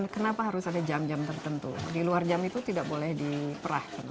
kenapa harus ada jam jam tertentu di luar jam itu tidak boleh diperahkan